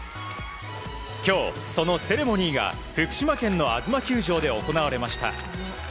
今日、そのセレモニーが福島県のあづま球場で行われました。